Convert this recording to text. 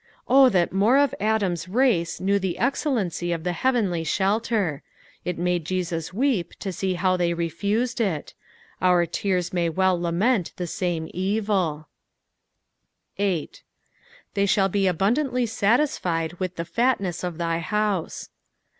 O that more of Adam's race Icnew the ezcellency of the heavenly shelter I It made Jesus weep to see how they refused it : our tears may welt lament the same evil, 8. " They ihall }>« abundantly »atUJied with the fatnen of thy hmue.'''